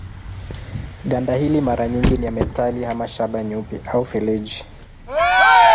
Ganda hili mara nyingi ni ya metali ama shaba nyeupe au feleji.